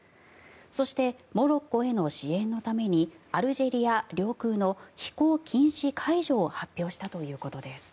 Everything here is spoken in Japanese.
そしてモロッコへの支援のためにアルジェリア領空の飛行禁止解除を発表したということです。